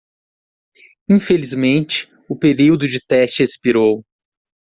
Infelizmente, o período de teste expirou.